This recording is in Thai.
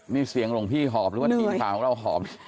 มีเสียงลุงพี่หอบหรือว่าทีมทางของเราหอบ